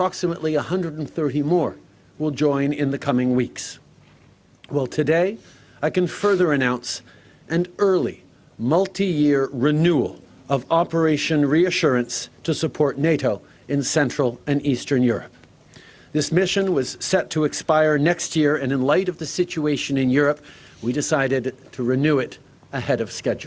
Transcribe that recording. kami memutuskan untuk mengubahnya di depan skedulnya